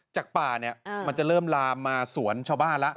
จากป่ามันจะเริ่มลามสวนชาวบ้านแล้ว